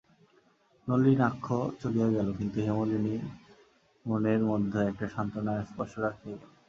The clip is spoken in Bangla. নলিনাক্ষ চলিয়া গেল, কিন্তু হেমনলিনীর মনের মধ্যে একটা সান্ত্বনার স্পর্শ রাখিয়া গেল।